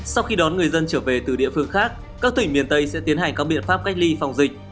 sau khi đón người dân trở về từ địa phương khác các tỉnh miền tây sẽ tiến hành các biện pháp cách ly phòng dịch